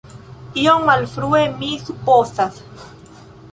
Iom malfrue, mi supozas.